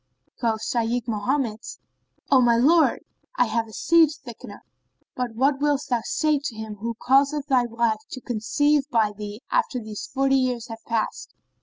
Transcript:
Quoth Shaykh Mohammed, "O my lord, I have a seed thickener, but what wilt thou say to him who causeth thy wife to conceive by thee after these forty years have passed?"